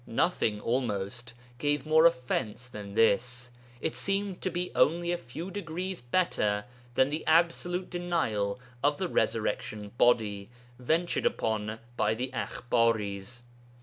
Nothing almost gave more offence than this; it seemed to be only a few degrees better than the absolute denial of the resurrection body ventured upon by the Akhbaris.